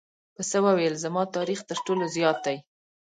پسه وویل زما تاریخ تر ټولو زیات دی.